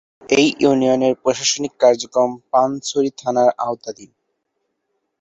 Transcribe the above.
এ ইউনিয়নের প্রশাসনিক কার্যক্রম পানছড়ি থানার আওতাধীন।